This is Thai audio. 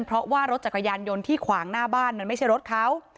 เพราะว่ารถจักรยานยนต์ที่ขวางหน้าบ้านมันไม่ใช่รถเขา